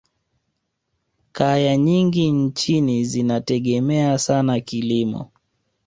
kaya nyingi nchini zinategemea sana kilimo